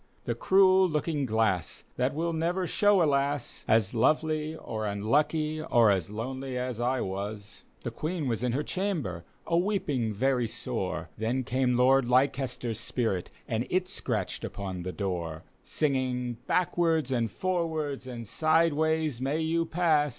The cruel looking ^lass that will never show a lass As lovely or unlucky or as lonely as I was." D,gt,, erihyGOOgle Drake's Drum 41 The Queen was in her chamber, a weeping veiy sore, There came Lord Leicester's spirit and It scratched upon the door, Singing, " Backwards and forwards and sideways may you pass.